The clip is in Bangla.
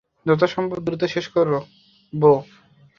যথাসম্ভব দ্রুত শেষ করব।